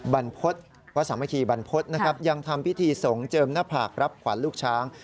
บรรพฤตวสัมภิกษ์บรรพฤตยังทำพิธีสงค์เจิมหน้าผากรับขวัญลูกช้าง